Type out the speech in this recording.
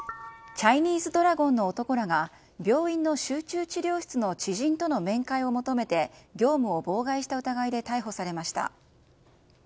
チャイニーズドラゴンの男らが病院の集中治療室の知人との面会を求めて業務を妨害した疑いで逮捕されました。